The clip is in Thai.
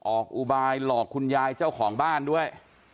อุบายหลอกคุณยายเจ้าของบ้านด้วย